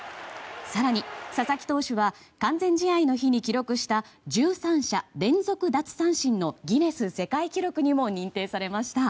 更に、佐々木投手は完全試合の日に記録した１３者連続奪三振のギネス世界記録にも認定されました。